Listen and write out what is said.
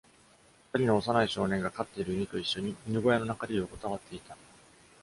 ふたりの幼い少年が、飼っている犬と一緒に犬小屋の中で横たわっていた。